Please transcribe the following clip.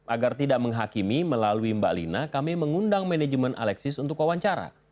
agar tidak menghakimi melalui mbak lina kami mengundang manajemen alexis untuk wawancara